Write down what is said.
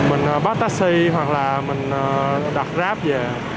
mình bắt taxi hoặc là mình đặt ráp về